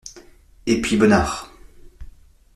Et puis Bonnard.